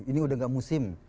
ini udah nggak musim